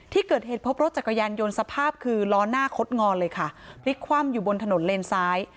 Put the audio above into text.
ที่เกิดเหตุพบรถจักรยานยนต์สภาพคือล้อหน้าคดงอเลยค่ะพลิกคว่ำอยู่บนถนนเลนซ้าย